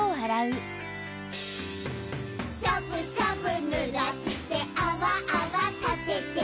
「ざぶざぶぬらしてあわあわたてて」